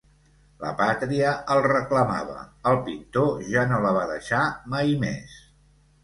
La pàtria el reclamava; el pintor ja no la va deixar mai més.